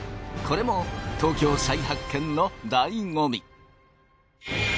これも東京再発見の醍醐味。